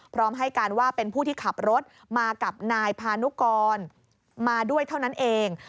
พร้อมให้การว่าเป็นผู้ที่ขับรถมากับนายพานุกรมาด้วยเท่านั้นเอง